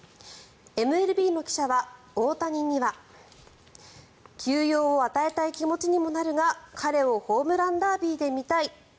ＭＬＢの記者は、大谷には休養を与えたい気持ちにもなるが彼をホームランダービーで見たい。